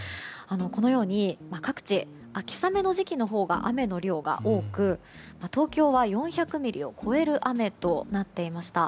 このように各地秋雨の時期のほうが雨の量が多く東京は４００ミリを超える雨となっていました。